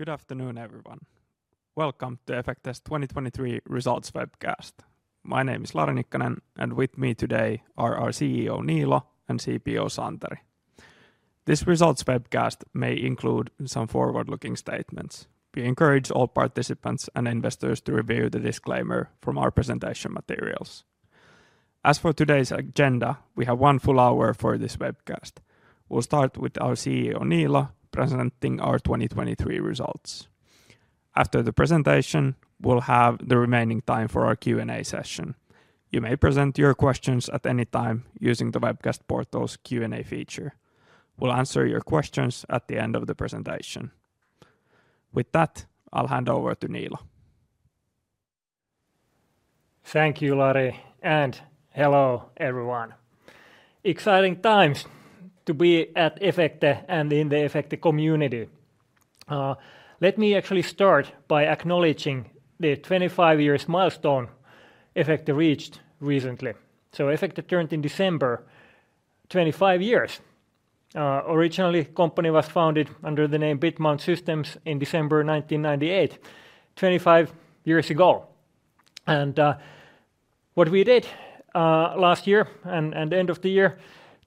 Good afternoon, everyone. Welcome to Efecte 2023 Results Webcast. My name is Lari Nikkanen, and with me today are our CEO Niilo and CPO Santeri. This Results Webcast may include some forward-looking statements. We encourage all participants and investors to review the disclaimer from our presentation materials. As for today's agenda, we have one full hour for this webcast. We'll start with our CEO Niilo presenting our 2023 results. After the presentation, we'll have the remaining time for our Q&A session. You may present your questions at any time using the webcast portal's Q&A feature. We'll answer your questions at the end of the presentation. With that, I'll hand over to Niilo. Thank you, Lari, and hello everyone. Exciting times to be at Efecte and in the Efecte community. Let me actually start by acknowledging the 25-year milestone Efecte reached recently. Efecte turned in December 25 years. Originally, the company was founded under the name Bitmount Systems in December 1998, 25 years ago. What we did last year and the end of the year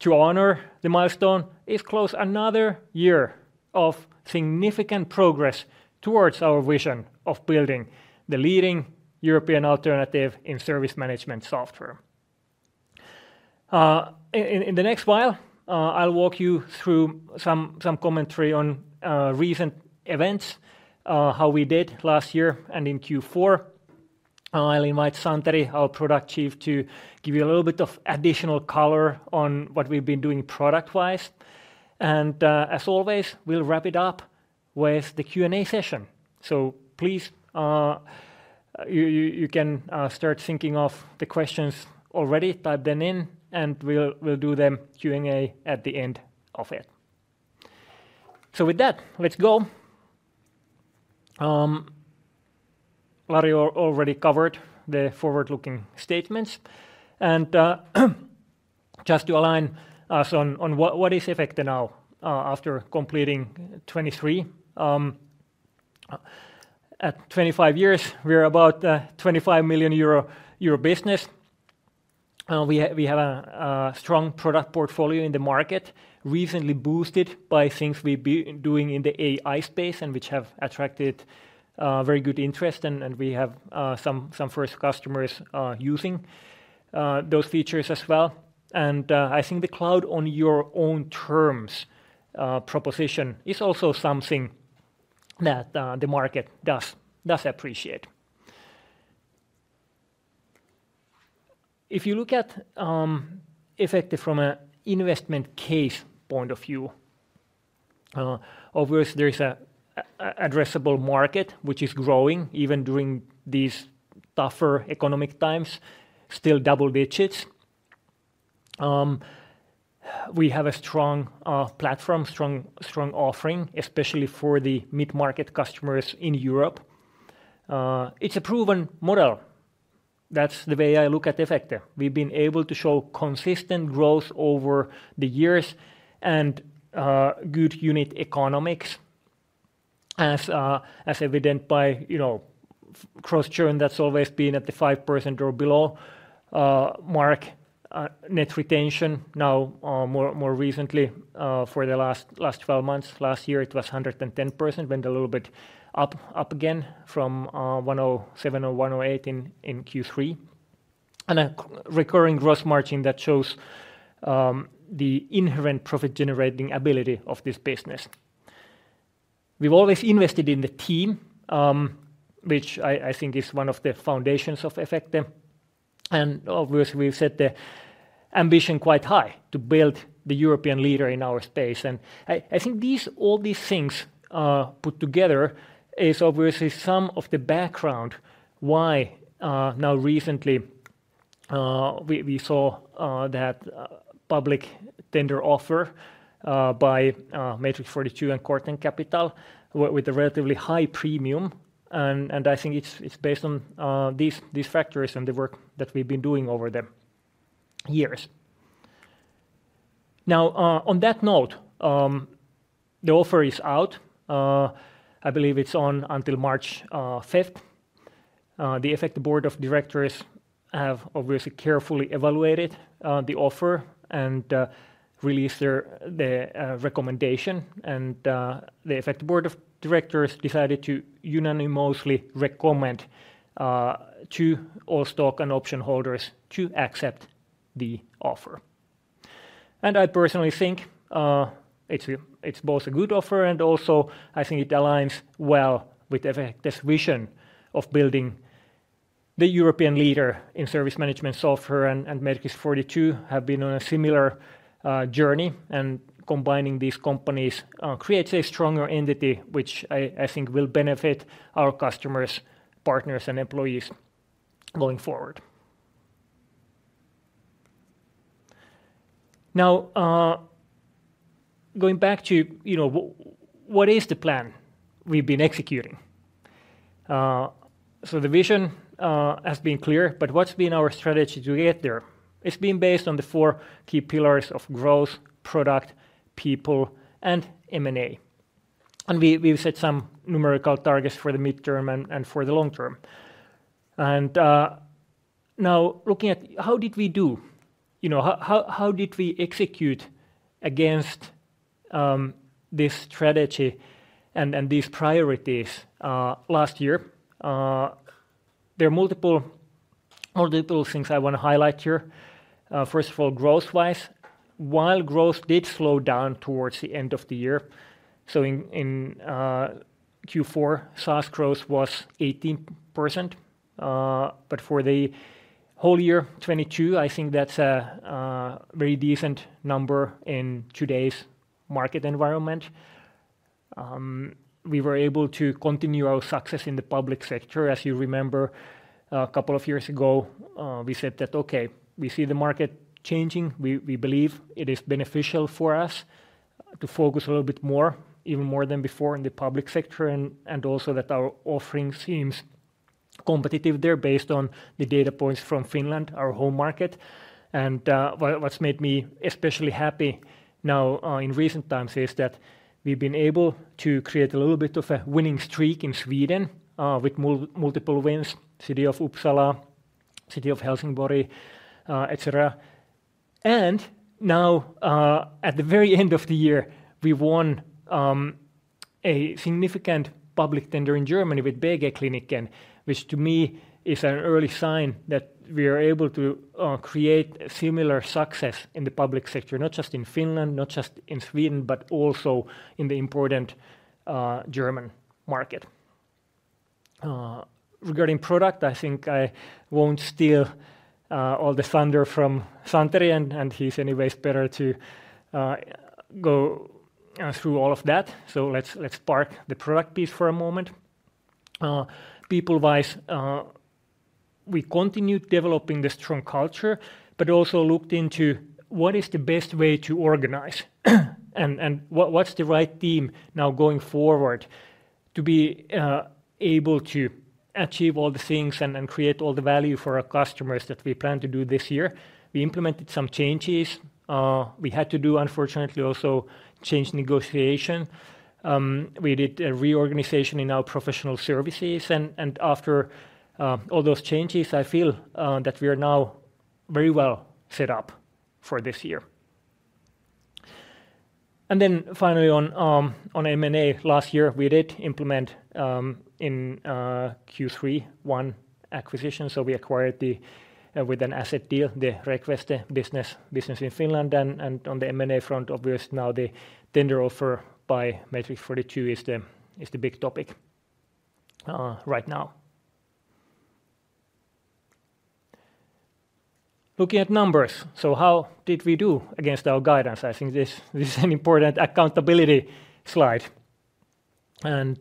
to honor the milestone is close to another year of significant progress towards our vision of building the leading European alternative in service management software. In the next while, I'll walk you through some commentary on recent events, how we did last year and in Q4. I'll invite Santeri, our product chief, to give you a little bit of additional color on what we've been doing product-wise. As always, we'll wrap it up with the Q&A session. So please, you can start thinking of the questions already, type them in, and we'll do them Q&A at the end of it. So with that, let's go. Lari already covered the forward-looking statements. And just to align us on what is Efecte now after completing 2023. At 25 years, we're about a 25 million euro business. We have a strong product portfolio in the market, recently boosted by things we've been doing in the AI space and which have attracted very good interest. And we have some first customers using those features as well. And I think the cloud on your own terms proposition is also something that the market does appreciate. If you look at Efecte from an investment case point of view, of course, there is an addressable market which is growing even during these tougher economic times, still double digits. We have a strong platform, strong offering, especially for the mid-market customers in Europe. It's a proven model. That's the way I look at Efecte. We've been able to show consistent growth over the years and good unit economics, as evident by gross churn. That's always been at the 5% or below mark net retention. Now, more recently, for the last 12 months, last year it was 110%, went a little bit up again from 107 or 108 in Q3, and a recurring gross margin that shows the inherent profit-generating ability of this business. We've always invested in the team, which I think is one of the foundations of Efecte. And of course, we've set the ambition quite high to build the European leader in our space. And I think all these things put together is obviously some of the background why now recently we saw that public tender offer by Matrix42 and Corten Capital with a relatively high premium. And I think it's based on these factors and the work that we've been doing over the years. Now, on that note, the offer is out. I believe it's on until March 5th. The Efecte board of directors have obviously carefully evaluated the offer and released their recommendation. And the Efecte board of directors decided to unanimously recommend to all stock and option holders to accept the offer. And I personally think it's both a good offer and also I think it aligns well with Efecte's vision of building the European leader in service management software. And Matrix42 have been on a similar journey. Combining these companies creates a stronger entity, which I think will benefit our customers, partners, and employees going forward. Now, going back to what is the plan we've been executing? The vision has been clear, but what's been our strategy to get there? It's been based on the four key pillars of growth, product, people, and M&A. We've set some numerical targets for the mid-term and for the long term. Now looking at how did we do? How did we execute against this strategy and these priorities last year? There are multiple things I want to highlight here. First of all, growth-wise, while growth did slow down towards the end of the year, so in Q4, SaaS growth was 18%. But for the whole year 2022, I think that's a very decent number in today's market environment. We were able to continue our success in the public sector. As you remember, a couple of years ago we said that, okay, we see the market changing. We believe it is beneficial for us to focus a little bit more, even more than before in the public sector, and also that our offering seems competitive there based on the data points from Finland, our home market. And what's made me especially happy now in recent times is that we've been able to create a little bit of a winning streak in Sweden with multiple wins: City of Uppsala, City of Helsingborg, etc. And now at the very end of the year, we won a significant public tender in Germany with BG Kliniken, which to me is an early sign that we are able to create similar success in the public sector, not just in Finland, not just in Sweden, but also in the important German market. Regarding product, I think I won't steal all the thunder from Santeri, and he's anyways better to go through all of that. So let's park the product piece for a moment. People-wise, we continued developing the strong culture, but also looked into what is the best way to organize and what's the right team now going forward to be able to achieve all the things and create all the value for our customers that we plan to do this year. We implemented some changes. We had to do, unfortunately, also change negotiation. We did a reorganization in our professional services. After all those changes, I feel that we are now very well set up for this year. Finally, on M&A, last year we did implement in Q3 one acquisition. We acquired with an asset deal, the Requeste business in Finland. On the M&A front, obviously now the tender offer by Matrix42 is the big topic right now. Looking at numbers, how did we do against our guidance? I think this is an important accountability slide. While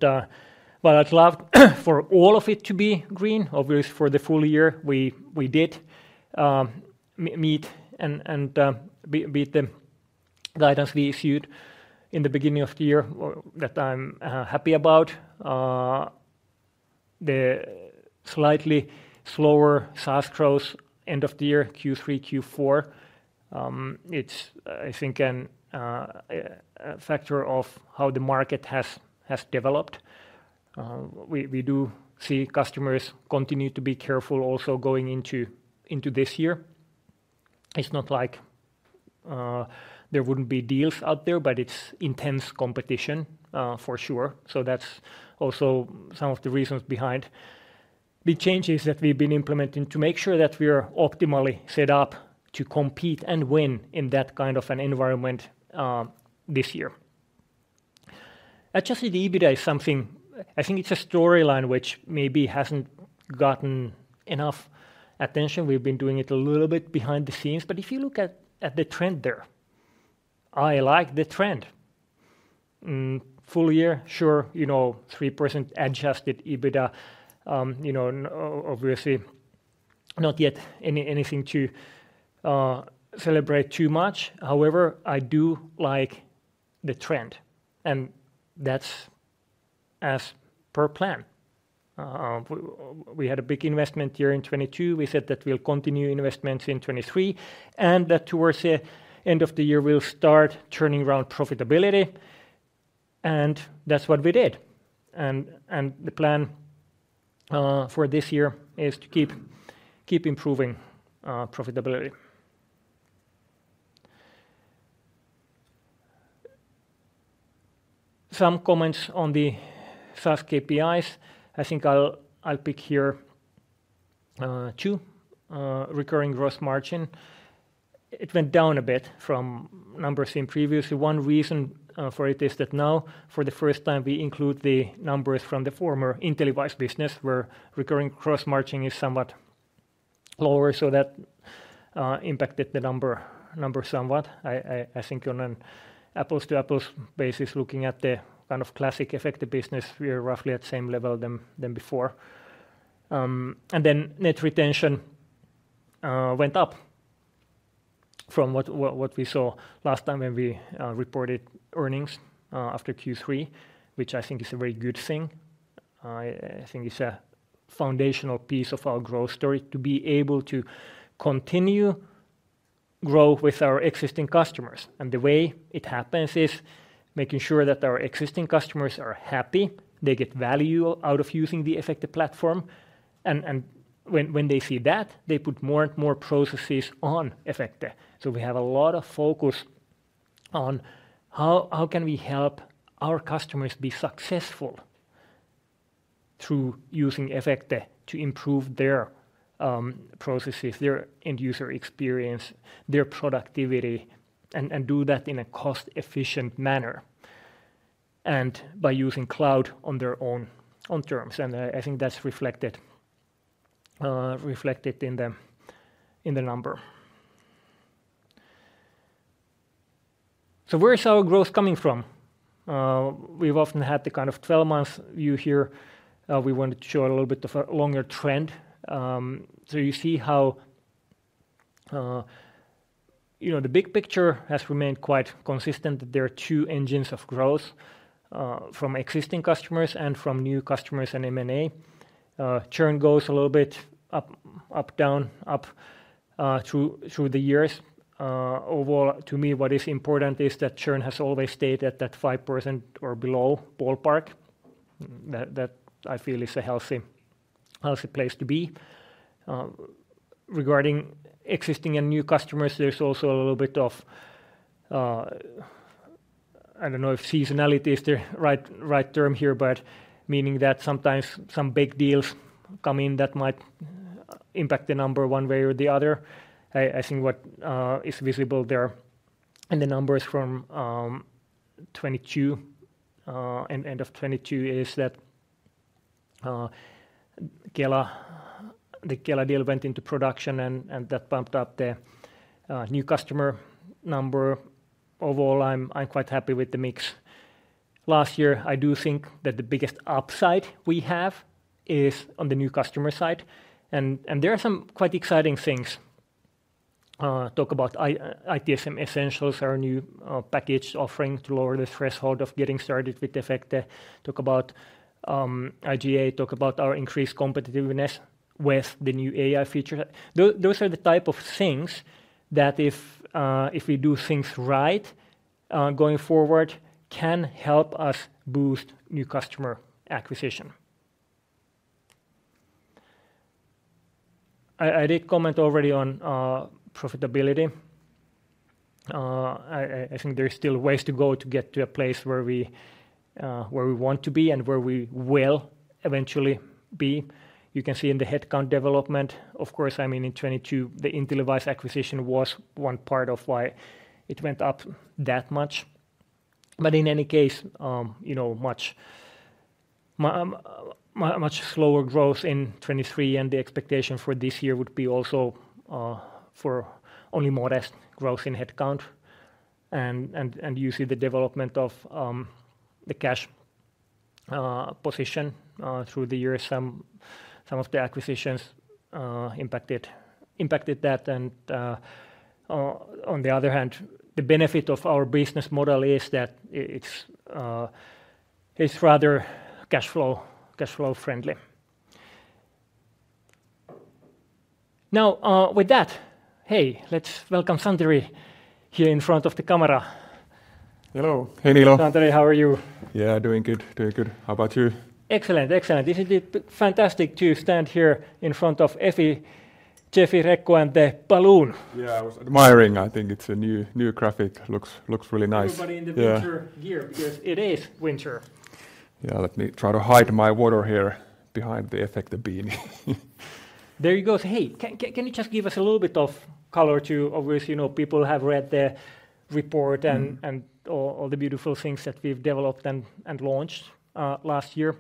I'd love for all of it to be green, obviously for the full year we did meet and beat the guidance we issued in the beginning of the year that I'm happy about. The slightly slower SaaS growth end of the year, Q3, Q4, it's I think a factor of how the market has developed. We do see customers continue to be careful also going into this year. It's not like there wouldn't be deals out there, but it's intense competition for sure. So that's also some of the reasons behind the changes that we've been implementing to make sure that we are optimally set up to compete and win in that kind of an environment this year. Adjusted EBITDA is something I think it's a storyline which maybe hasn't gotten enough attention. We've been doing it a little bit behind the scenes. But if you look at the trend there, I like the trend. Full year, sure, you know 3% adjusted EBITDA. Obviously not yet anything to celebrate too much. However, I do like the trend and that's as per plan. We had a big investment year in 2022. We said that we'll continue investments in 2023 and that towards the end of the year we'll start turning around profitability. That's what we did. The plan for this year is to keep improving profitability. Some comments on the SaaS KPIs. I think I'll pick here two: recurring gross margin. It went down a bit from numbers seen previously. One reason for it is that now for the first time we include the numbers from the former InteliWISE business where recurring gross margin is somewhat lower. So that impacted the number somewhat. I think on an apples to apples basis, looking at the kind of classic Efecte business, we are roughly at the same level than before. And then net retention went up from what we saw last time when we reported earnings after Q3, which I think is a very good thing. I think it's a foundational piece of our growth story to be able to continue to grow with our existing customers. The way it happens is making sure that our existing customers are happy. They get value out of using the Efecte platform. When they see that, they put more and more processes on Efecte. We have a lot of focus on how can we help our customers be successful through using Efecte to improve their processes, their end user experience, their productivity, and do that in a cost-efficient manner and by using cloud on their own terms. I think that's reflected in the number. Where is our growth coming from? We've often had the kind of 12 months view here. We wanted to show a little bit of a longer trend. You see how the big picture has remained quite consistent. There are two engines of growth from existing customers and from new customers and M&A. Churn goes a little bit up, up, down, up through the years. Overall, to me, what is important is that churn has always stayed at that 5% or below ballpark. That I feel is a healthy place to be. Regarding existing and new customers, there's also a little bit of... I don't know if seasonality is the right term here, but meaning that sometimes some big deals come in that might impact the number one way or the other. I think what is visible there in the numbers from end of 2022 is that the Kela deal went into production and that pumped up the new customer number. Overall, I'm quite happy with the mix. Last year, I do think that the biggest upside we have is on the new customer side. And there are some quite exciting things. Talk about ITSM Essentials, our new package offering to lower the threshold of getting started with Efecte. Talk about IGA. Talk about our increased competitiveness with the new AI features. Those are the type of things that if we do things right going forward can help us boost new customer acquisition. I did comment already on profitability. I think there's still ways to go to get to a place where we want to be and where we will eventually be. You can see in the headcount development. Of course, I mean in 2022, the InteliWISE acquisition was one part of why it went up that much. But in any case, you know much slower growth in 2023 and the expectation for this year would be also for only modest growth in headcount. Usually the development of the cash position through the year, some of the acquisitions impacted that. On the other hand, the benefit of our business model is that it's rather cash flow friendly. Now with that, hey, let's welcome Santeri here in front of the camera. Hello. Hey Niilo. Santeri, how are you? Yeah, doing good. Doing good. How about you? Excellent. Excellent. Isn't it fantastic to stand here in front of Jeffy Rekko and the balloon? Yeah, I was admiring. I think it's a new graphic. Looks really nice. Everybody in the winter gear because it is winter. Yeah, let me try to hide my water here behind the Efecte beanie. There he goes. Hey, can you just give us a little bit of color too? Obviously, people have read the report and all the beautiful things that we've developed and launched last year.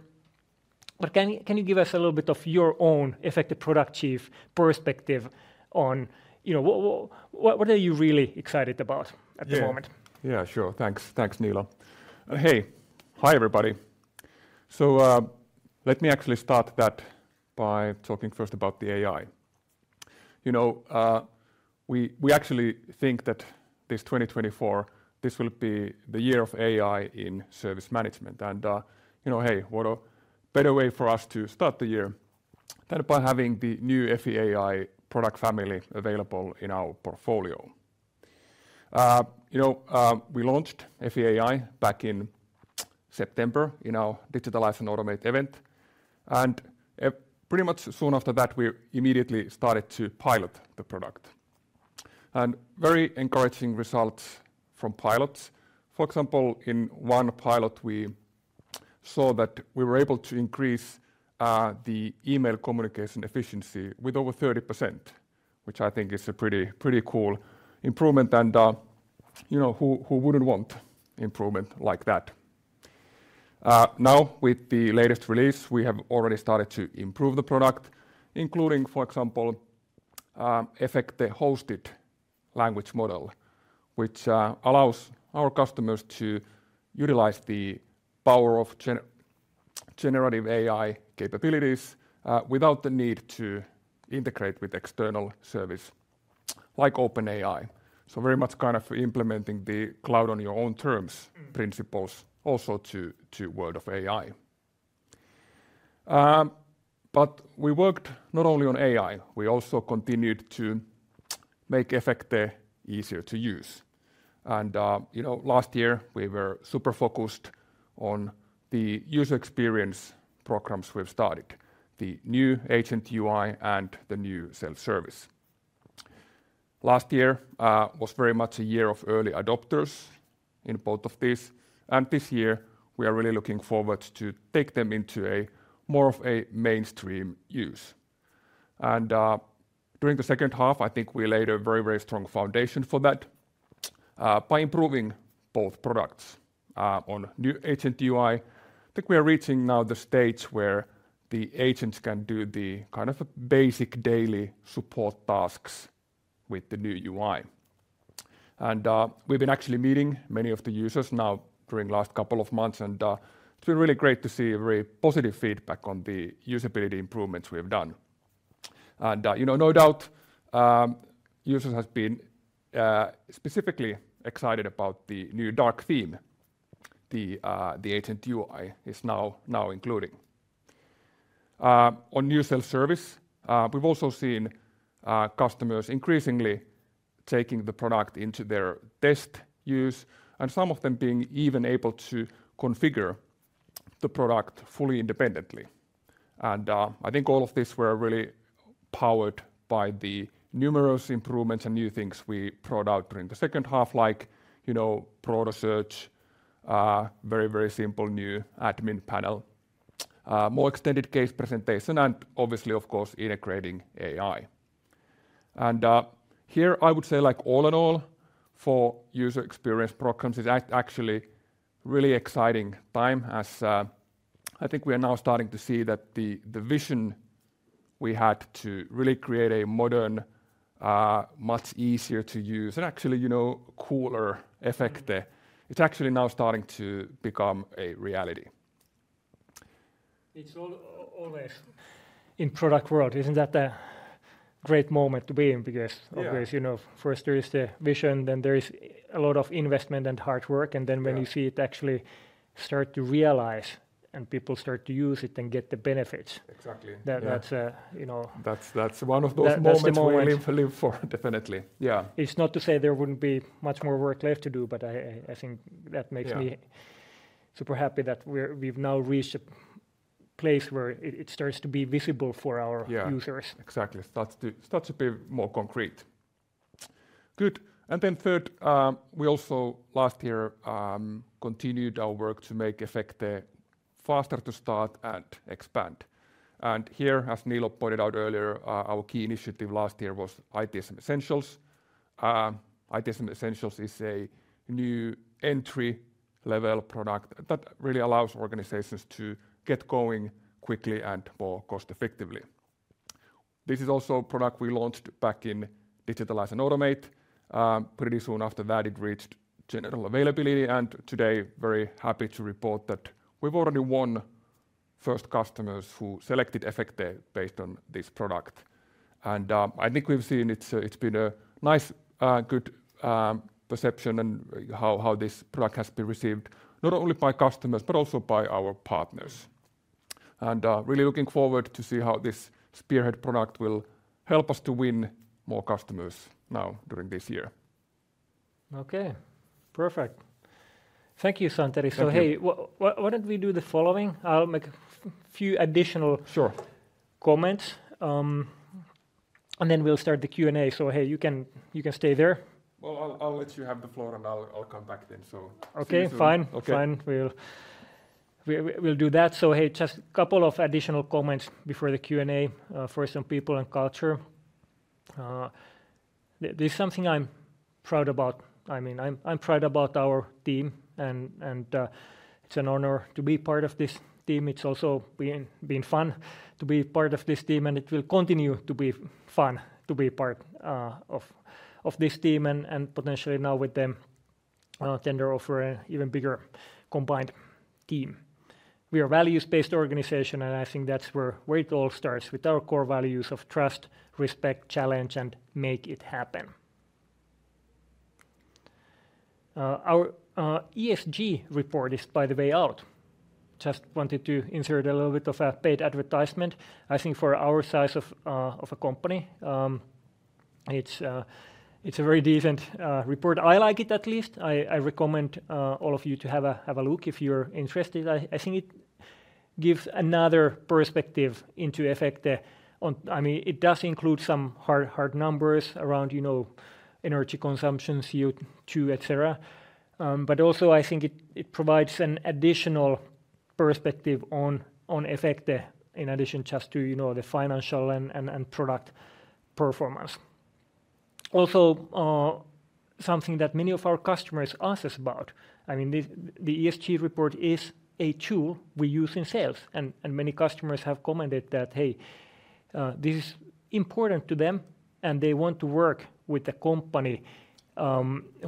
But can you give us a little bit of your own Efecte product chief perspective on what are you really excited about at the moment? Yeah, sure. Thanks, Niilo. And hey, hi everybody. So let me actually start that by talking first about the AI. You know we actually think that this 2024, this will be the year of AI in service management. And you know hey, what a better way for us to start the year than by having the new Efecte AI product family available in our portfolio. You know we launched Efecte AI back in September in our Digitalize and Automate event. And pretty much soon after that, we immediately started to pilot the product. And very encouraging results from pilots. For example, in one pilot, we saw that we were able to increase the email communication efficiency with over 30%, which I think is a pretty cool improvement. And you know who wouldn't want improvement like that? Now with the latest release, we have already started to improve the product, including for example, Efecte hosted language model, which allows our customers to utilize the power of generative AI capabilities without the need to integrate with external service like OpenAI. So very much kind of implementing the cloud on your own terms principles also to the world of AI. But we worked not only on AI, we also continued to make Efecte easier to use. And you know last year, we were super focused on the user experience programs we've started, the new agent UI and the new self-service. Last year was very much a year of early adopters in both of these. This year, we are really looking forward to taking them into more of a mainstream use. During the second half, I think we laid a very, very strong foundation for that by improving both products on New Agent UI. I think we are reaching now the stage where the agents can do the kind of basic daily support tasks with the new UI. We've been actually meeting many of the users now during the last couple of months. It's been really great to see very positive feedback on the usability improvements we've done. You know, no doubt users have been specifically excited about the new dark theme. The Agent UI is now including. On new self-service, we've also seen customers increasingly taking the product into their test use and some of them being even able to configure the product fully independently. And I think all of these were really powered by the numerous improvements and new things we brought out during the second half, like you know ProtoSearch, very, very simple new admin panel, more extended case presentation, and obviously, of course, integrating AI. And here I would say like all in all for user experience programs is actually a really exciting time as I think we are now starting to see that the vision we had to really create a modern, much easier to use, and actually you know cooler Efecte, it's actually now starting to become a reality. It's always. In the product world, isn't that a great moment to be in? Because obviously you know first there is the vision, then there is a lot of investment and hard work. And then when you see it actually start to realize and people start to use it and get the benefits, that's a... That's one of those moments we live for, definitely. It's not to say there wouldn't be much more work left to do, but I think that makes me super happy that we've now reached a place where it starts to be visible for our users. Exactly. It starts to be more concrete. Good. And then third, we also last year continued our work to make Efecte faster to start and expand. And here, as Niilo pointed out earlier, our key initiative last year was ITSM Essentials. ITSM Essentials is a new entry-level product that really allows organizations to get going quickly and more cost-effectively. This is also a product we launched back in Digitalize and Automate. Pretty soon after that, it reached general availability. Today, I'm very happy to report that we've already won first customers who selected Efecte based on this product. I think we've seen it's been a nice, good perception and how this product has been received not only by customers but also by our partners. Really looking forward to see how this spearhead product will help us to win more customers now during this year. Okay, perfect. Thank you, Santeri. Hey, why don't we do the following? I'll make a few additional comments and then we'll start the Q&A. Hey, you can stay there. Well, I'll let you have the floor and I'll come back then. Okay, fine. We'll do that. So hey, just a couple of additional comments before the Q&A for some people and culture. This is something I'm proud about. I mean, I'm proud about our team and it's an honor to be part of this team. It's also been fun to be part of this team and it will continue to be fun to be part of this team. And potentially now with the tender offer an even bigger combined team. We are a values-based organization and I think that's where it all starts with our core values of trust, respect, challenge, and make it happen. Our ESG report is, by the way, out. Just wanted to insert a little bit of a paid advertisement. I think for our size of a company, it's a very decent report. I like it at least. I recommend all of you to have a look if you're interested. I think it gives another perspective into Efecte. I mean, it does include some hard numbers around you know energy consumption, CO2, etc. But also I think it provides an additional perspective on Efecte in addition just to you know the financial and product performance. Also something that many of our customers ask us about. I mean, the ESG report is a tool we use in sales and many customers have commented that hey, this is important to them and they want to work with a company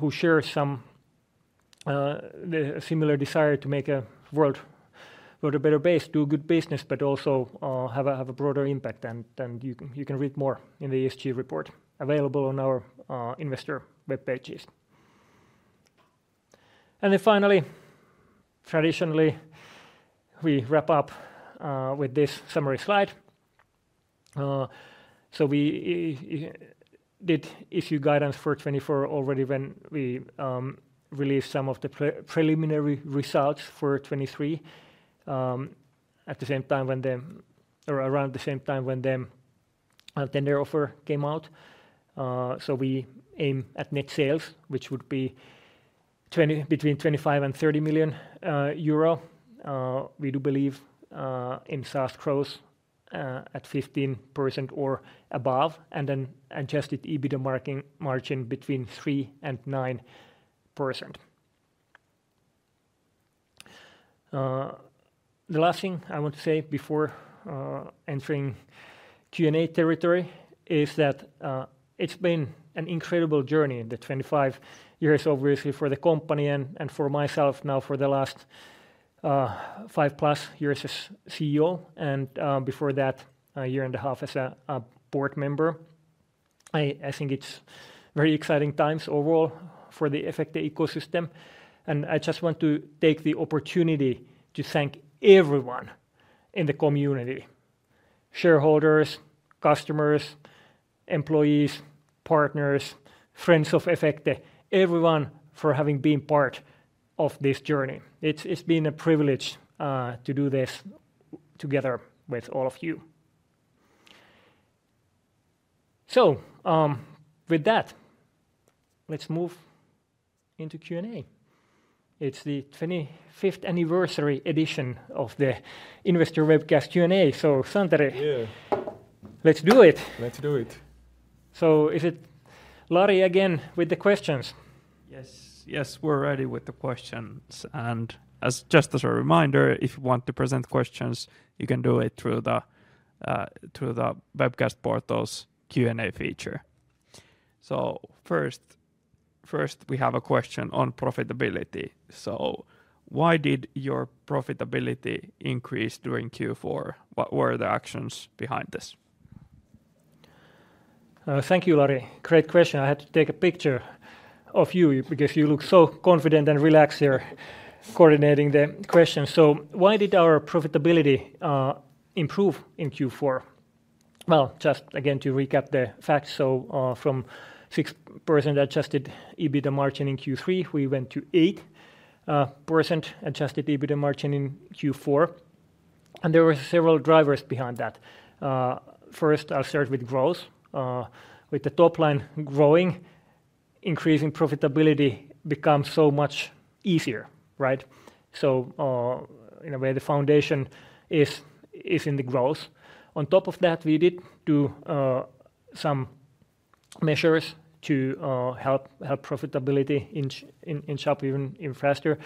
who shares some similar desire to make a world a better base, do good business, but also have a broader impact. And you can read more in the ESG report available on our investor web pages. And then finally, traditionally, we wrap up with this summary slide. We did issue guidance for 2024 already when we released some of the preliminary results for 2023. At the same time or around the same time when the tender offer came out. We aim at net sales, which would be between 25 million and 30 million euro. We do believe in SaaS growth at 15% or above and then Adjusted EBITDA margin between 3%-9%. The last thing I want to say before entering Q&A territory is that it's been an incredible journey in the 25 years, obviously for the company and for myself now for the last 5+ years as CEO and before that a year and a half as a board member. I think it's very exciting times overall for the Efecte ecosystem. I just want to take the opportunity to thank everyone in the community: shareholders, customers, employees, partners, friends of Efecte, everyone for having been part of this journey. It's been a privilege to do this together with all of you. With that, let's move into Q&A. It's the 25th anniversary edition of the investor webcast Q&A. Santeri, let's do it. Let's do it. Is it Lari again with the questions? Yes, yes, we're ready with the questions. Just as a reminder, if you want to present questions, you can do it through the webcast portal's Q&A feature. First, we have a question on profitability. Why did your profitability increase during Q4? What were the actions behind this? Thank you, Lari. Great question. I had to take a picture of you because you look so confident and relaxed here coordinating the questions. So why did our profitability improve in Q4? Well, just again to recap the facts. So, from 6% adjusted EBITDA margin in Q3, we went to 8% adjusted EBITDA margin in Q4. And there were several drivers behind that. First, I'll start with growth. With the top line growing, increasing profitability becomes so much easier, right? So, in a way, the foundation is in the growth. On top of that, we did some measures to help profitability in shop even faster.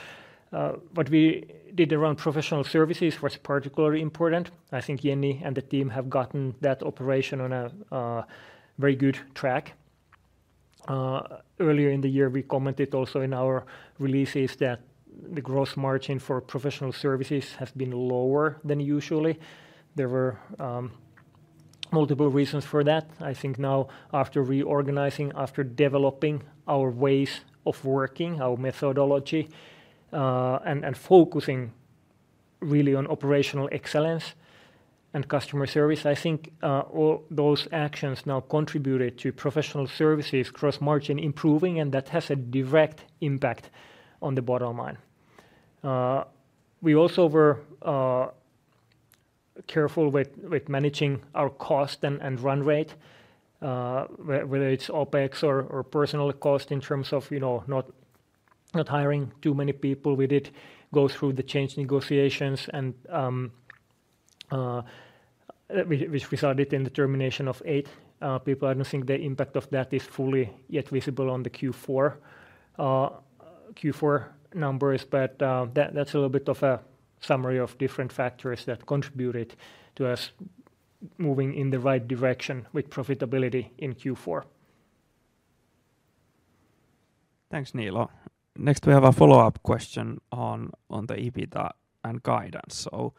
What we did around professional services was particularly important. I think Jenny and the team have gotten that operation on a very good track. Earlier in the year, we commented also in our releases that the gross margin for professional services has been lower than usually. There were multiple reasons for that. I think now, after reorganizing, after developing our ways of working, our methodology, and focusing really on operational excellence and customer service, I think, all those actions now contributed to professional services gross margin improving. That has a direct impact on the bottom line. We also were careful with managing our cost and run rate, whether it's OpEx or personnel cost in terms of, you know, not hiring too many people. We did go through the change negotiations and which resulted in the termination of eight people. I don't think the impact of that is fully yet visible on the Q4 numbers, but that's a little bit of a summary of different factors that contributed to us moving in the right direction with profitability in Q4. Thanks, Niilo. Next, we have a follow-up question on the EBITDA and guidance. So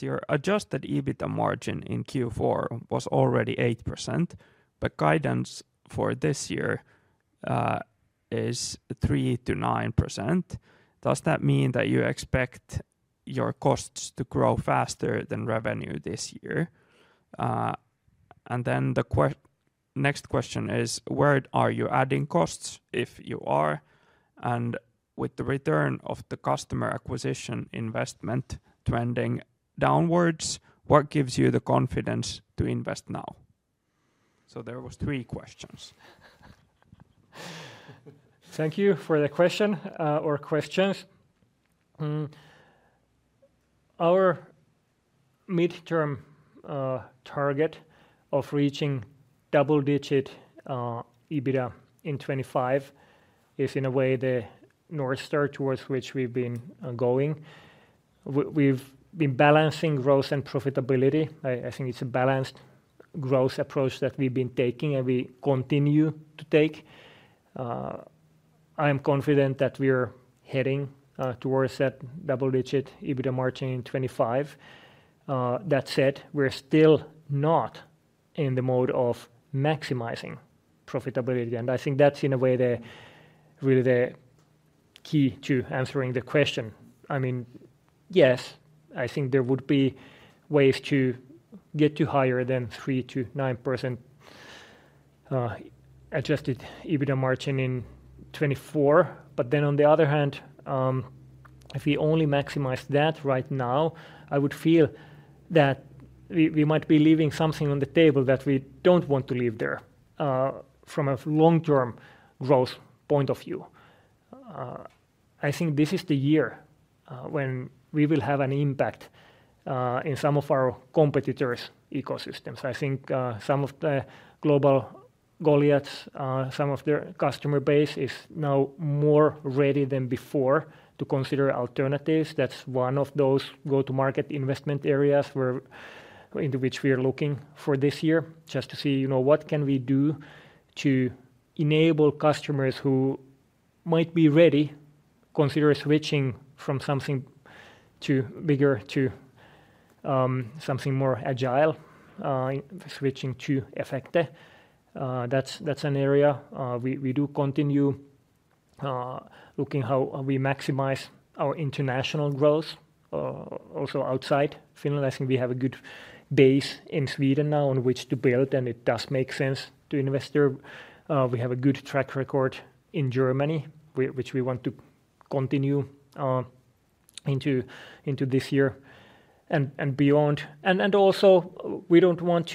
your Adjusted EBITDA margin in Q4 was already 8%, but guidance for this year is 3%-9%. Does that mean that you expect your costs to grow faster than revenue this year? And then the next question is: where are you adding costs, if you are? And with the return of the customer acquisition investment trending downwards, what gives you the confidence to invest now? So there were three questions. Thank you for the question or questions. Our mid-term target of reaching double-digit EBITDA in 2025 is, in a way, the north star towards which we've been going. We've been balancing growth and profitability. I think it's a balanced growth approach that we've been taking and we continue to take. I'm confident that we're heading towards that double-digit EBITDA margin in 2025. That said, we're still not in the mode of maximizing profitability. I think that's, in a way, really the key to answering the question. I mean, yes, I think there would be ways to get to higher than 3%-9% Adjusted EBITDA margin in 2024. But then, on the other hand, if we only maximize that right now, I would feel that we might be leaving something on the table that we don't want to leave there, from a long-term growth point of view. I think this is the year, when we will have an impact, in some of our competitors' ecosystems. I think, some of the global Goliaths, some of their customer base is now more ready than before to consider alternatives. That's one of those go-to-market investment areas into which we are looking for this year. Just to see, you know, what can we do to enable customers who might be ready to consider switching from something bigger to something more agile, switching to Efecte? That's an area. We do continue looking at how we maximize our international growth, also outside Finland. I think we have a good base in Sweden now on which to build, and it does make sense to invest there. We have a good track record in Germany, which we want to continue into this year and beyond. And also, we don't want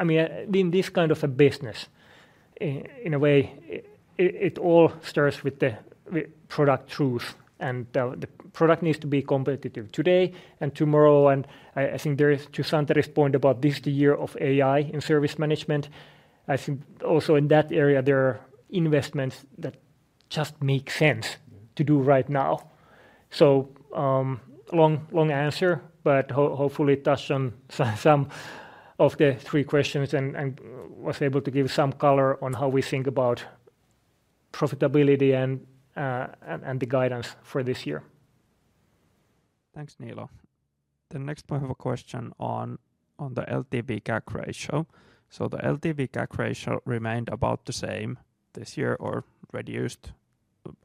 to—I mean, in this kind of a business, in a way, it all starts with the product truth. And the product needs to be competitive today and tomorrow. And I think there is, to Santeri's point about this is the year of AI in service management. I think also in that area, there are investments that just make sense to do right now. So, long, long answer, but hopefully it touched on some of the three questions and was able to give some color on how we think about profitability and, and the guidance for this year. Thanks, Niilo. The next point of a question on the LTV CAC ratio. So the LTV CAC ratio remained about the same this year or reduced,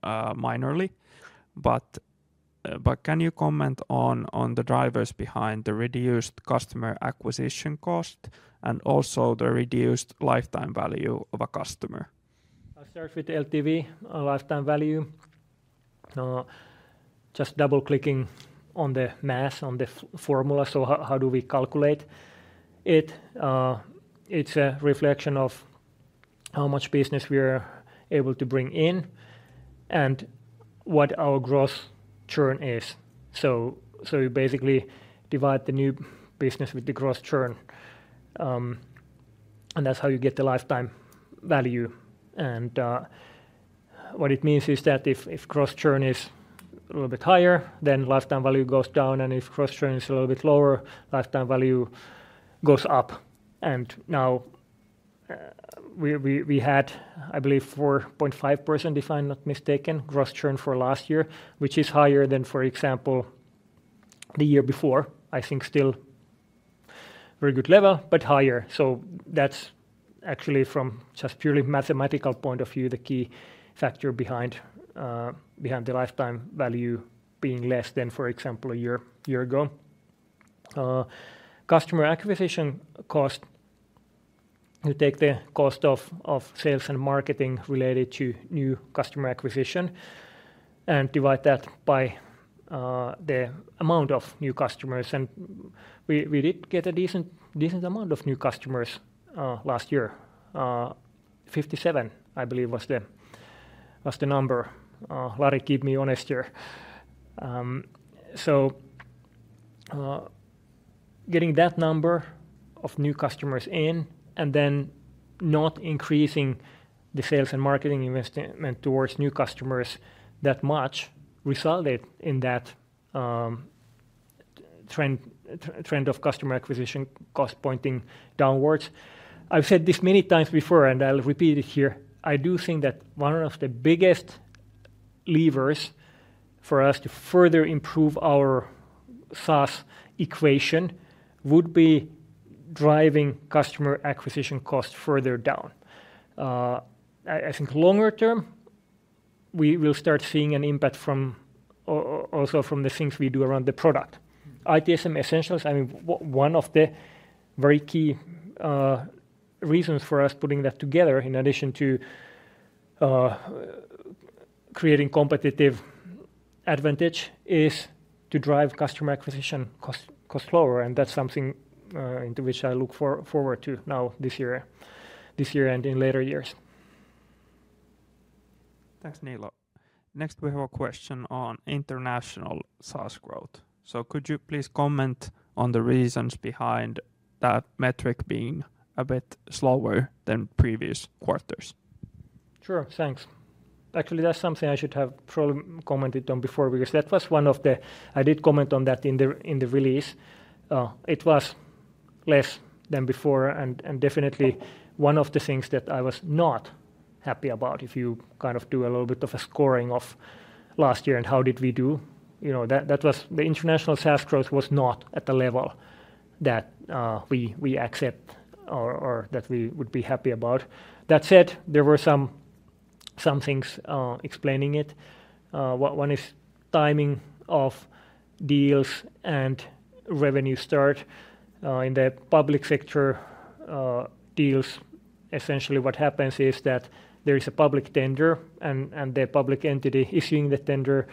minimally. But, but can you comment on the drivers behind the reduced customer acquisition cost and also the reduced lifetime value of a customer? I'll start with the LTV lifetime value. Just double-clicking on the math, on the formula. So how do we calculate it? It's a reflection of how much business we are able to bring in and what our gross churn is. So you basically divide the new business with the gross churn. And that's how you get the lifetime value. And what it means is that if gross churn is a little bit higher, then lifetime value goes down. And if gross churn is a little bit lower, lifetime value goes up. And now we had, I believe, 4.5%, if I'm not mistaken, gross churn for last year, which is higher than, for example, the year before. I think still a very good level, but higher. So that's actually, from just purely a mathematical point of view, the key factor behind the lifetime value being less than, for example, a year ago. Customer acquisition cost, you take the cost of sales and marketing related to new customer acquisition and divide that by the amount of new customers. And we did get a decent amount of new customers last year. 57, I believe, was the number. Lari, keep me honest here. So getting that number of new customers in and then not increasing the sales and marketing investment towards new customers that much resulted in that trend of customer acquisition cost pointing downwards. I've said this many times before, and I'll repeat it here. I do think that one of the biggest levers for us to further improve our SaaS equation would be driving customer acquisition cost further down. I think longer term we will start seeing an impact from also from the things we do around the product. ITSM Essentials, I mean, one of the very key reasons for us putting that together in addition to creating competitive advantage is to drive customer acquisition cost lower. And that's something into which I look forward to now this year and in later years. Thanks, Niilo. Next, we have a question on international SaaS growth. Could you please comment on the reasons behind that metric being a bit slower than previous quarters? Sure, thanks. Actually, that's something I should have probably commented on before because that was one of the—I did comment on that in the release. It was less than before. Definitely one of the things that I was not happy about. If you kind of do a little bit of a scoring of last year and how did we do, you know, that was the international SaaS growth was not at the level that we accept or that we would be happy about. That said, there were some things explaining it. One is timing of deals and revenue start. In the public sector deals, essentially what happens is that there is a public tender and the public entity issuing the tender,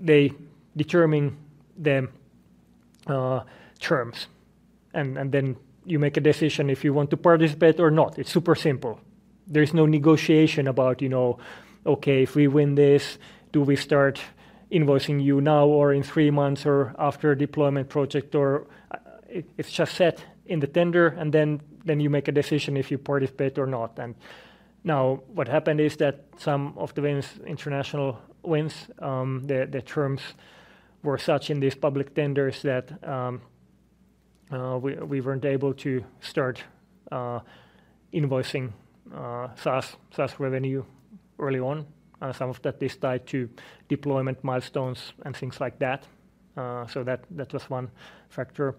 they determine the terms. Then you make a decision if you want to participate or not. It's super simple. There is no negotiation about, you know, okay, if we win this, do we start invoicing you now or in three months or after a deployment project? Or it's just set in the tender and then you make a decision if you participate or not. Now what happened is that some of the international wins, the terms were such in these public tenders that we weren't able to start invoicing SaaS revenue early on. Some of that is tied to deployment milestones and things like that. That was one factor.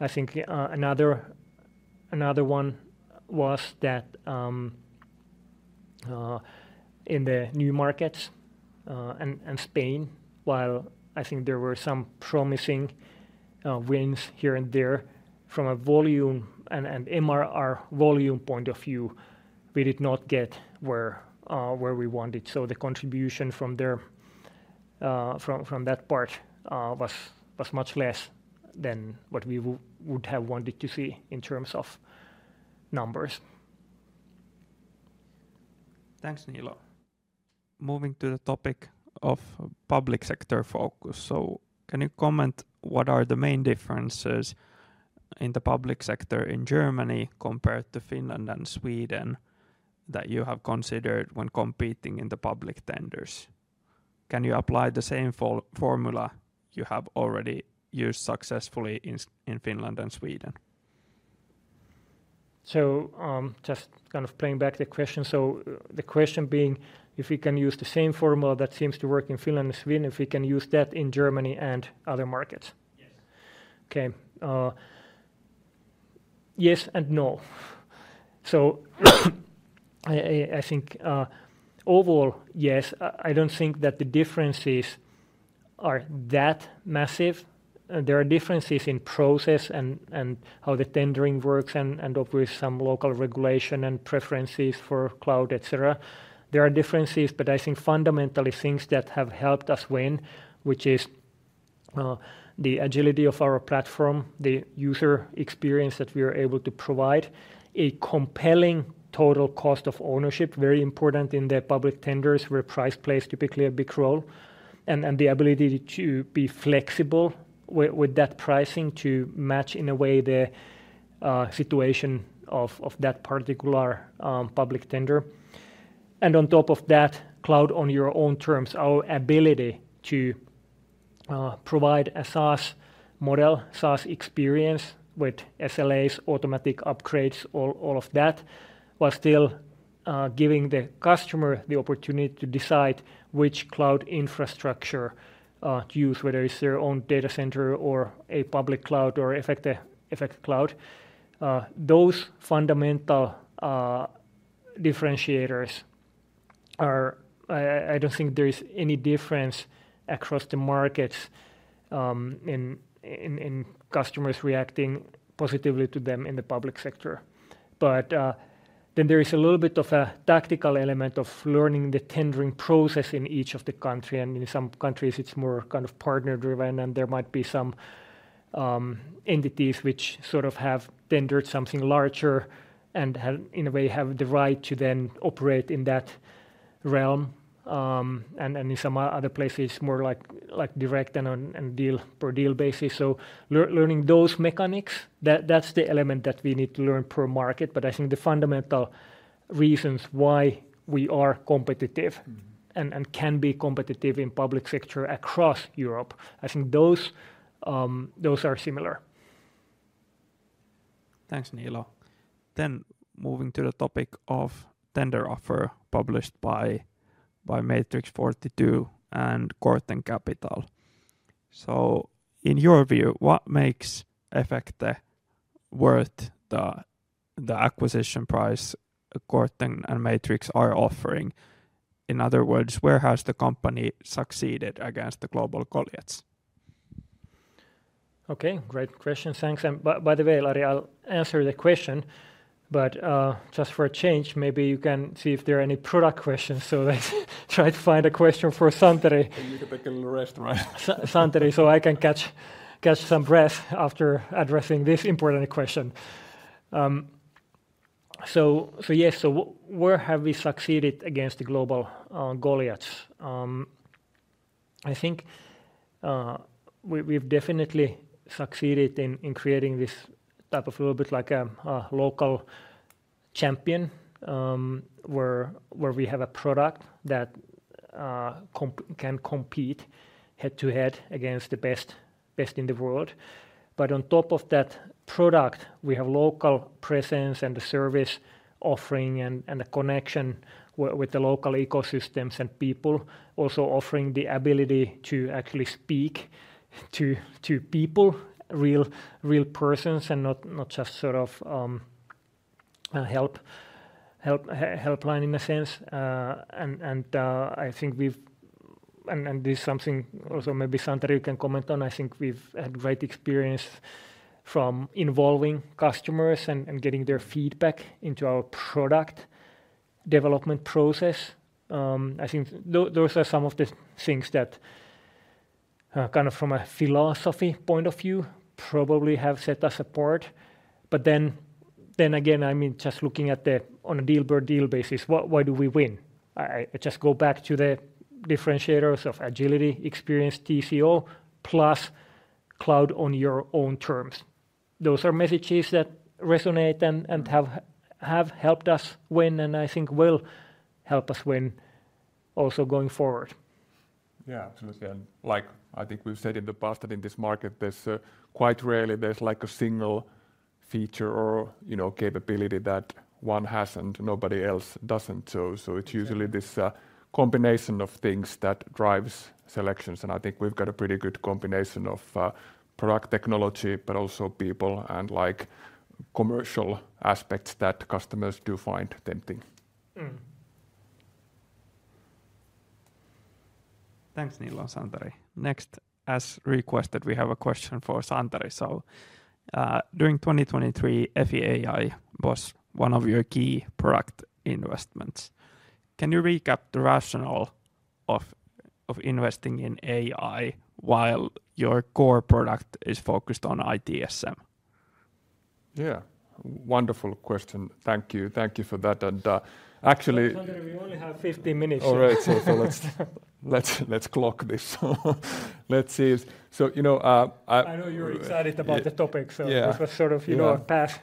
I think another one was that in the new markets and Spain, while I think there were some promising wins here and there from a volume and MRR volume point of view, we did not get where we wanted. So the contribution from that part was much less than what we would have wanted to see in terms of numbers. Thanks, Niilo. Moving to the topic of public sector focus. So can you comment on what are the main differences in the public sector in Germany compared to Finland and Sweden that you have considered when competing in the public tenders? Can you apply the same formula you have already used successfully in Finland and Sweden? So just kind of playing back the question. So the question being if we can use the same formula that seems to work in Finland and Sweden, if we can use that in Germany and other markets. Yes. Okay. Yes and no. So I think overall, yes. I don't think that the differences are that massive. There are differences in process and how the tendering works and obviously some local regulation and preferences for cloud, etc. There are differences, but I think fundamentally things that have helped us win, which is the agility of our platform, the user experience that we are able to provide, a compelling total cost of ownership, very important in the public tenders where price plays typically a big role, and the ability to be flexible with that pricing to match in a way the situation of that particular public tender. On top of that, cloud on your own terms, our ability to provide a SaaS model, SaaS experience with SLAs, automatic upgrades, all of that was still giving the customer the opportunity to decide which cloud infrastructure to use, whether it's their own data center or a public cloud or Efecte cloud. Those fundamental differentiators are... I don't think there is any difference across the markets in customers reacting positively to them in the public sector. Then there is a little bit of a tactical element of learning the tendering process in each of the countries. In some countries, it's more kind of partner driven. There might be some entities which sort of have tendered something larger and have, in a way, have the right to then operate in that realm. In some other places, it's more like direct and deal per deal basis. So learning those mechanics, that's the element that we need to learn per market. But I think the fundamental reasons why we are competitive and can be competitive in public sector across Europe, I think those are similar. Thanks, Niilo. Then moving to the topic of the tender offer published by Matrix42 and Corten Capital. So in your view, what makes Efecte worth the acquisition price Corten and Matrix are offering? In other words, where has the company succeeded against the global Goliaths? Okay, great question. Thanks. And by the way, Lari, I'll answer the question, but just for a change, maybe you can see if there are any product questions so that I try to find a question for Santeri. A little bit of rest. Right. Santeri, so I can catch some breath after addressing this important question. So yes, so where have we succeeded against the global Goliaths? I think we've definitely succeeded in creating this type of a little bit like a local champion where we have a product that can compete head to head against the best in the world. But on top of that product, we have local presence and the service offering and the connection with the local ecosystems and people also offering the ability to actually speak to people, real real persons, and not just sort of a help line in a sense. And I think we've... And this is something also maybe Santeri can comment on. I think we've had great experience from involving customers and getting their feedback into our product development process. I think those are some of the things that kind of from a philosophy point of view probably have set us apart. But then again, I mean, just looking at them on a deal per deal basis, why do we win? I just go back to the differentiators of agility, experience, TCO plus cloud on your own terms. Those are messages that resonate and have helped us win and I think will help us win also going forward. Yeah, absolutely. And like I think we've said in the past that in this market, there's quite rarely a single feature or capability that one has and nobody else doesn't. So it's usually this combination of things that drives selections. And I think we've got a pretty good combination of product technology, but also people and like commercial aspects that customers do find tempting. Thanks, Niilo and Santeri. Next, as requested, we have a question for Santeri. So during 2023, Efecte AI was one of your key product investments. Can you recap the rationale of investing in AI while your core product is focused on ITSM? Yeah, wonderful question. Thank you. Thank you for that. And actually... Santeri, we only have 15 minutes. All right. So let's clock this. Let's see. So, you know. I know you're excited about the topic. So this was sort of a pass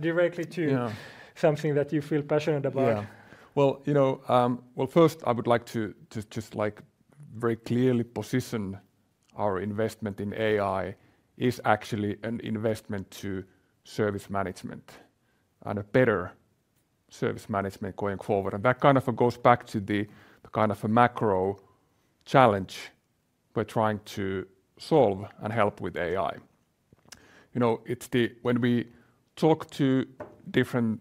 directly to something that you feel passionate about. Yeah. Well, you know, first I would like to just like very clearly position our investment in AI is actually an investment to service management and a better service management going forward. And that kind of goes back to the kind of a macro challenge we're trying to solve and help with AI. You know, it's the... When we talk to different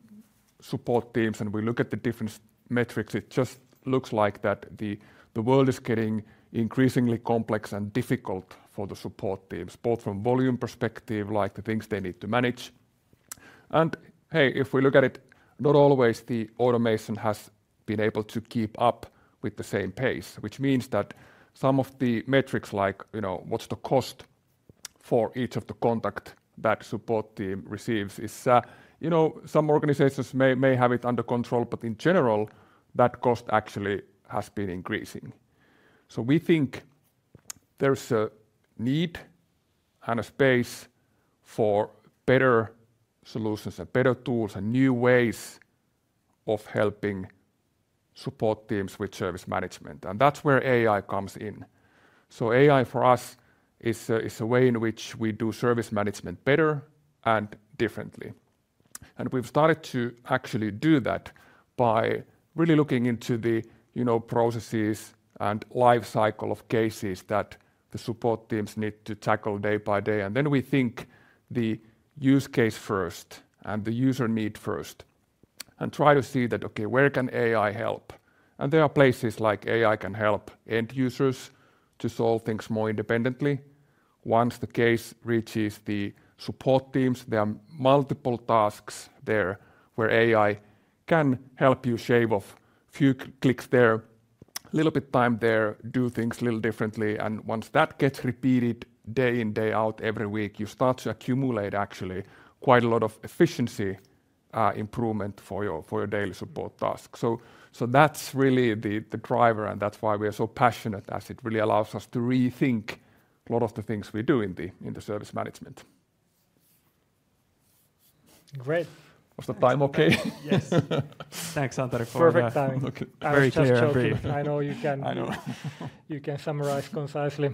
support teams and we look at the different metrics, it just looks like that the world is getting increasingly complex and difficult for the support teams, both from volume perspective, like the things they need to manage. And hey, if we look at it, not always the automation has been able to keep up with the same pace, which means that some of the metrics, like what's the cost for each of the contacts that support team receives, is... You know, some organizations may have it under control, but in general, that cost actually has been increasing. So we think there's a need and a space for better solutions and better tools and new ways of helping support teams with service management. And that's where AI comes in. So AI for us is a way in which we do service management better and differently. And we've started to actually do that by really looking into the processes and life cycle of cases that the support teams need to tackle day by day. And then we think the use case first and the user need first and try to see that, okay, where can AI help? And there are places like AI can help end users to solve things more independently. Once the case reaches the support teams, there are multiple tasks there where AI can help you shave off a few clicks there, a little bit of time there, do things a little differently. And once that gets repeated day in, day out, every week, you start to accumulate actually quite a lot of efficiency improvement for your daily support tasks. So that's really the driver. That's why we are so passionate, as it really allows us to rethink a lot of the things we do in the service management. Great. Was the time okay? Yes. Thanks, Santeri, for the perfect time. Very clear. I know you can summarize concisely.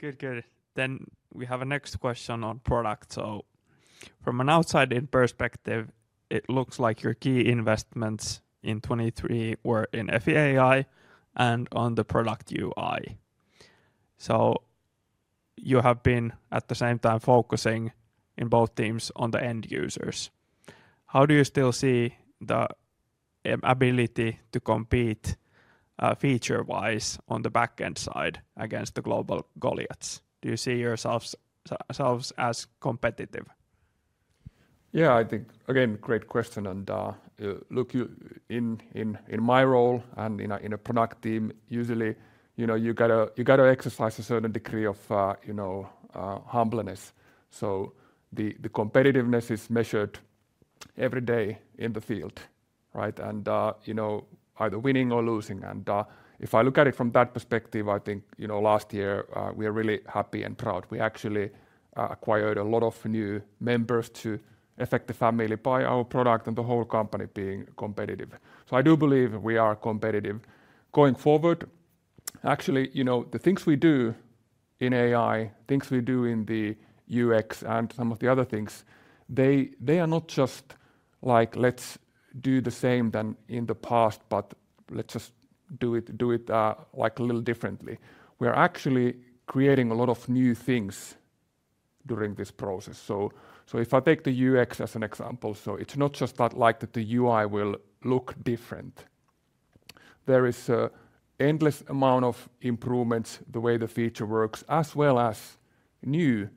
Good, good. Then we have a next question on product. So from an outside-in perspective, it looks like your key investments in 2023 were in Efecte AI and on the product UI. So you have been at the same time focusing in both teams on the end users. How do you still see the ability to compete feature-wise on the back-end side against the global Goliaths? Do you see yourselves as competitive? Yeah, I think, again, great question. And look, in my role and in a product team, usually you got to exercise a certain degree of humbleness. So the competitiveness is measured every day in the field, right? And you know either winning or losing. And if I look at it from that perspective, I think last year we are really happy and proud. We actually acquired a lot of new members to Efecte family by our product and the whole company being competitive. So I do believe we are competitive going forward. Actually, you know the things we do in AI, things we do in the UX and some of the other things, they are not just like, "Let's do the same than in the past, but let's just do it like a little differently." We are actually creating a lot of new things during this process. So if I take the UX as an example, so it's not just that like that the UI will look different. There is an endless amount of improvements the way the feature works, as well as new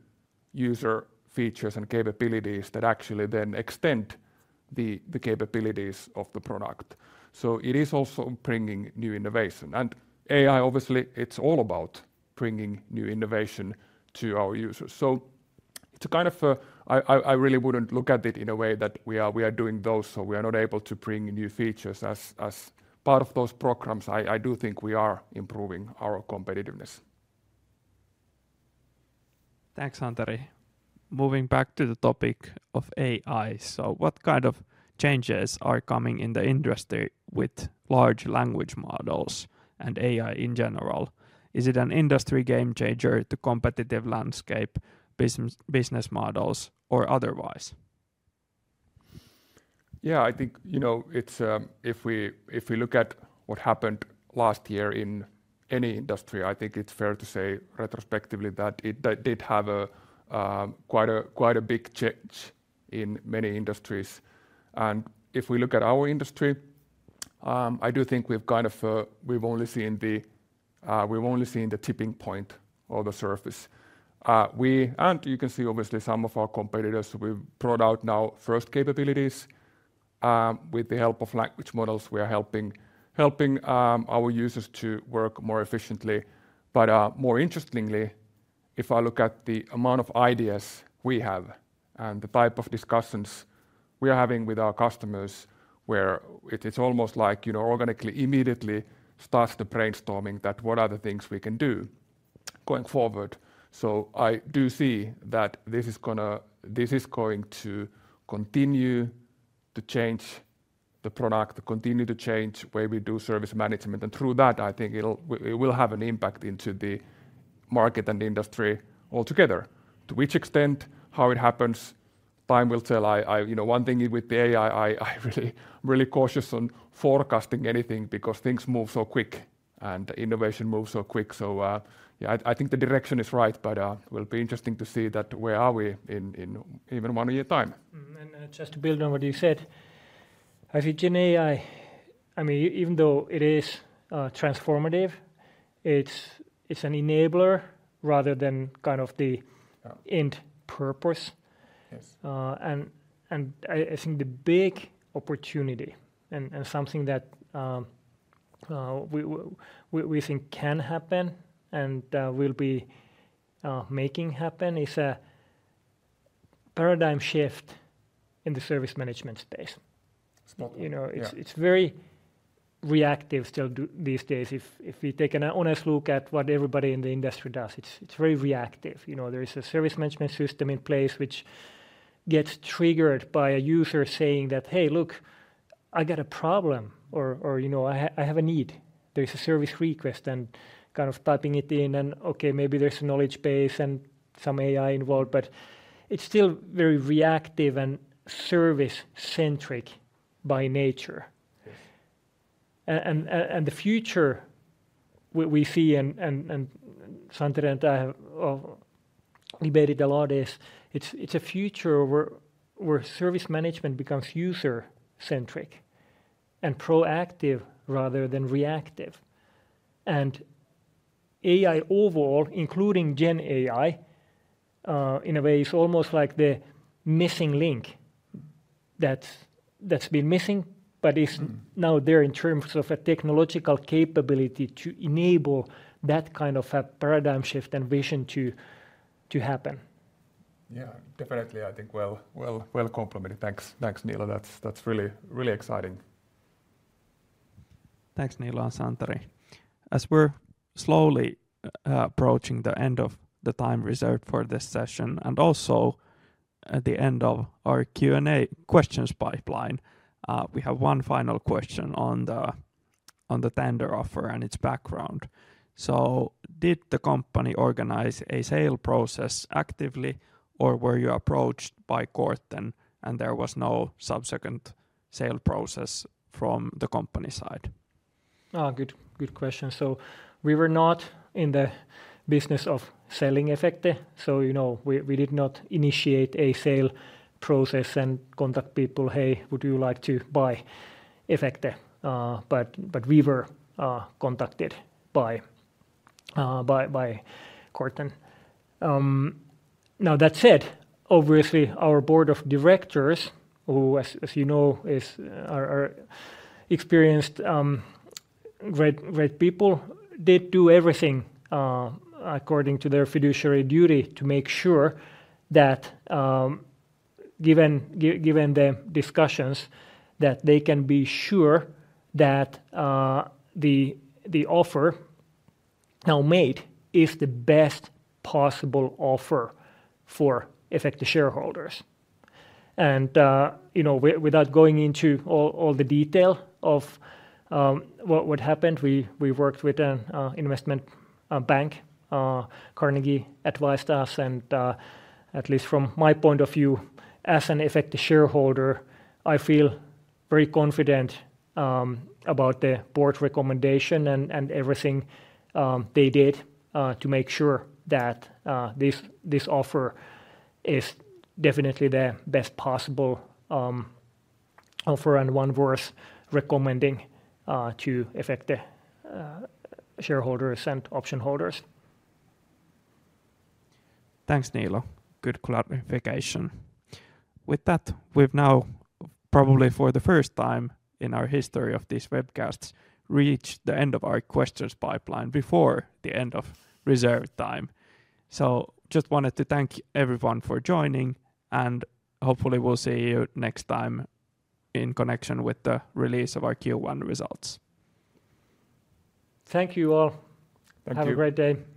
user features and capabilities that actually then extend the capabilities of the product. So it is also bringing new innovation. And AI, obviously, it's all about bringing new innovation to our users. So it's a kind of... I really wouldn't look at it in a way that we are doing those, so we are not able to bring new features as part of those programs. I do think we are improving our competitiveness. Thanks, Santeri. Moving back to the topic of AI. So what kind of changes are coming in the industry with large language models and AI in general? Is it an industry game changer to competitive landscape, business models, or otherwise? Yeah, I think you know it's... If we look at what happened last year in any industry, I think it's fair to say retrospectively that it did have quite a big change in many industries. And if we look at our industry, I do think we've kind of only seen the tipping point or the surface. And you can see, obviously, some of our competitors. We've brought out now first capabilities with the help of language models. We are helping our users to work more efficiently. But more interestingly, if I look at the amount of ideas we have and the type of discussions we are having with our customers, where it's almost like organically immediately starts the brainstorming that what are the things we can do going forward. So I do see that this is going to continue to change the product, continue to change the way we do service management. And through that, I think it will have an impact into the market and industry altogether. To which extent, how it happens, time will tell. One thing with the AI, I'm really cautious on forecasting anything because things move so quick and innovation moves so quick. So yeah, I think the direction is right, but it will be interesting to see where are we in even one year's time. And just to build on what you said, I think in AI, I mean, even though it is transformative, it's an enabler rather than kind of the end purpose. And I think the big opportunity and something that we think can happen and will be making happen is a paradigm shift in the service management space. It's not... It's very reactive still these days. If we take an honest look at what everybody in the industry does, it's very reactive. There is a service management system in place which gets triggered by a user saying that, "Hey, look, I got a problem" or "I have a need." There is a service request and kind of typing it in. And okay, maybe there's a knowledge base and some AI involved, but it's still very reactive and service-centric by nature. Yes. And the future we see, and Santeri and I have debated a lot is it's a future where service management becomes user-centric and proactive rather than reactive. And AI overall, including Gen AI, in a way, is almost like the missing link that's been missing, but is now there in terms of a technological capability to enable that kind of a paradigm shift and vision to happen. Yeah, definitely. I think well complemented. Thanks, Niilo. That's really exciting. Thanks, Niilo and Santeri. As we're slowly approaching the end of the time reserved for this session and also the end of our Q&A questions pipeline, we have one final question on the tender offer and its background. So did the company organize a sale process actively or were you approached by Corten and there was no subsequent sale process from the company side? Good question. So we were not in the business of selling Efecte. So you know we did not initiate a sale process and contact people, "Hey, would you like to buy Efecte?" But we were contacted by Corten. Now, that said, obviously, our board of directors, who, as you know, are experienced, great people, did do everything according to their fiduciary duty to make sure that, given the discussions, they can be sure that the offer now made is the best possible offer for Efecte shareholders. And you know without going into all the detail of what happened, we worked with an investment bank. Carnegie advised us. And at least from my point of view, as an Efecte shareholder, I feel very confident about the board recommendation and everything they did to make sure that this offer is definitely the best possible offer and one worth recommending to Efecte shareholders and option holders. Thanks, Niilo. Good clarification. With that, we've now probably for the first time in our history of these webcasts reached the end of our questions pipeline before the end of reserved time. I just wanted to thank everyone for joining and hopefully we'll see you next time in connection with the release of our Q1 results. Thank you all. Have a great day.